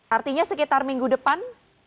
artinya sekitar minggu depan